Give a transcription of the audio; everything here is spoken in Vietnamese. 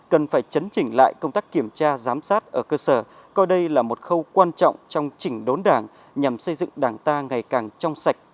cần phải chấn chỉnh lại công tác kiểm tra giám sát ở cơ sở coi đây là một khâu quan trọng trong chỉnh đốn đảng nhằm xây dựng đảng ta ngày càng trong sạch